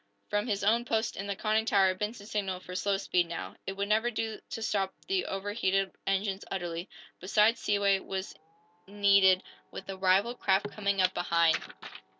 From his own post in the conning tower Benson signaled for slow speed, now. It would never do to stop the overheated engines utterly. Besides, seaway was needed, with the rival craft coming up behind.